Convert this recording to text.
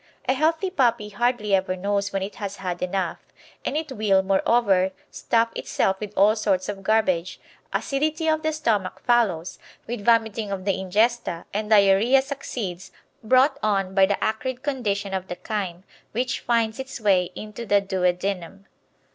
A healthy puppy hardly ever knows when it has had enough, and it will, moreover, stuff itself with all sorts of garbage; acidity of the stomach follows, with vomiting of the ingesta, and diarrhoea succeeds, brought on by the acrid condition of the chyme, which finds its way into the duodenum.